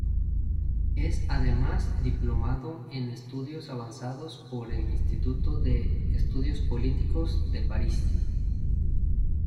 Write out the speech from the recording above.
Es además diplomado en estudios avanzados por el Instituto de Estudios Políticos de París.